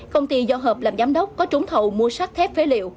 công ty do hợp làm giám đốc có trúng thầu mua sách thép phế liệu